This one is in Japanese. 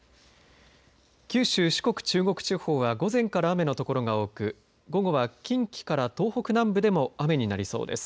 九州、四国、中国地方は午前から雨の所が多く午後は近畿から東北南部でも雨になりそうです。